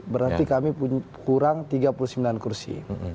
berarti kami kurang tiga puluh sembilan kursi